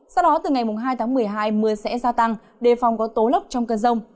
sau đó từ ngày hai tháng một mươi hai mưa sẽ gia tăng đề phòng có tố lốc trong cơn rông